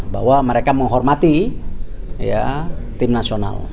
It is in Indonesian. bahwa mereka menghormati tim nasional